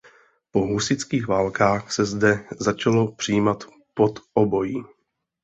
Po husitských válkách se zde začalo přijímat podobojí.